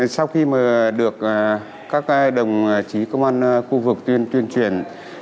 sau khi được các đồng chí công an khu vực tuyên truyền